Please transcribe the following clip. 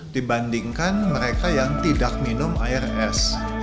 dibandingkan mereka yang tidak minum air es